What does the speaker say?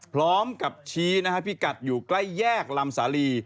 พร้อมกับชี้นะฮะพิกัดอยู่ใกล้แยกลำสาลี